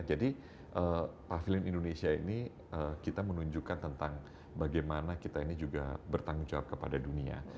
jadi pavilion indonesia ini kita menunjukkan tentang bagaimana kita ini juga bertanggung jawab kepada dunia